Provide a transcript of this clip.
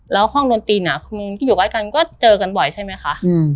แล้วห้องดนตรีที่อยู่ใกล้กันก็เจอกันบ่อยใช่ไหมคะ